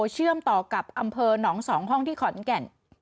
เชื่อมต่อกับอำเภอหนอง๒ห้องที่ขอนแก่น